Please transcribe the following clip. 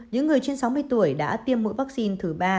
những người trên sáu mươi tuổi đã tiêm mũi vaccine thứ ba